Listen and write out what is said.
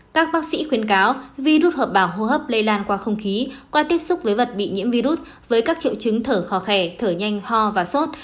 các bác sĩ khuyên cáo virus hợp bào hô hấp lây lan qua không khí qua tiếp xúc với vật bị nhiễm virus với các triệu chứng thở khò khè thở nhanh ho và sốt